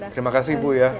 terima kasih bu ya